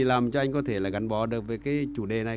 làm cho anh có thể là gắn bó được với cái chủ đề này